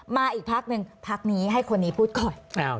มาอีกพักหนึ่งพักนี้ให้คนนี้พูดก่อน